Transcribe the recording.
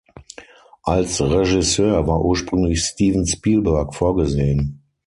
Als Regisseur war ursprünglich Steven Spielberg vorgesehen.